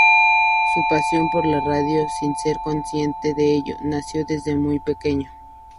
Su pasión por la radio, sin ser consciente de ello, nació desde muy pequeño.